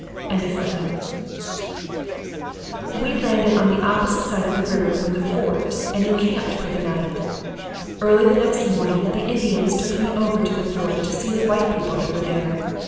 ] We landed on the opposite side of the river from the fort, and encamped for the night. Early the next morning the Indians took me over to the fort to see the white people that were there.